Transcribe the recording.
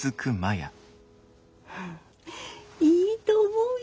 いいと思うよ！